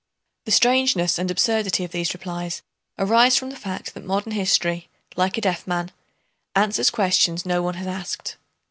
The strangeness and absurdity of these replies arise from the fact that modern history, like a deaf man, answers questions no one has asked.